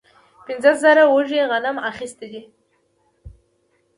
پنځه زره وږي غنم اخیستي دي.